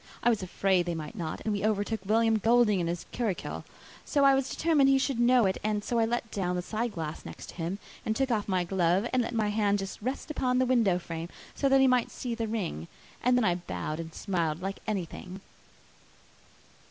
I was afraid they might not; and we overtook William Goulding in his curricle, so I was determined he should know it, and so I let down the side glass next to him, and took off my glove and let my hand just rest upon the window frame, so that he might see the ring, and then I bowed and smiled like anything."